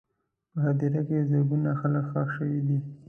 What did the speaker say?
په هدیره کې زرګونه خلک ښخ شوي دي.